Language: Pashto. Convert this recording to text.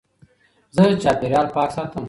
زه چاپېریال پاک ساتم.